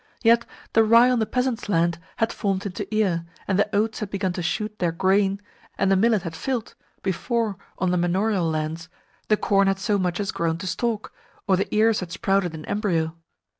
Yet the rye on the peasants' land had formed into ear, and the oats had begun to shoot their grain, and the millet had filled before, on the manorial lands, the corn had so much as grown to stalk, or the ears had sprouted in embryo.